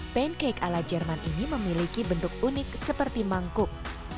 pancake ala jerman ini memiliki bentuk unik seperti mangkuk